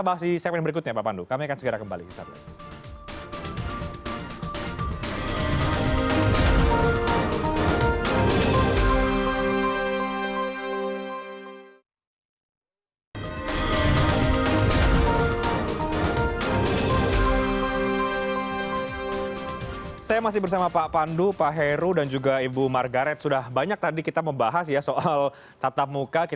bahas di segmen berikutnya pak pandu kami akan segera kembali